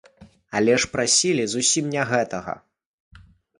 Але ж прасілі зусім не гэтага.